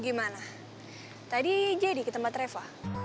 gimana tadi jadi ketempat reva